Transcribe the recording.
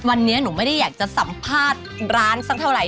วันนี้หนูไม่ได้อยากจะสัมภาษณ์ร้านสักเท่าไหร